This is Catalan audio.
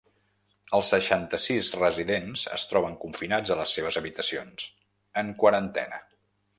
Els seixanta-sis residents es troben confinats a les seves habitacions, en quarantena.